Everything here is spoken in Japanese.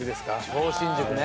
超新塾ね。